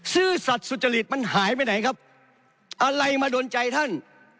ซื่อสัตว์สุจริตมันหายไปไหนครับอะไรมาโดนใจท่าน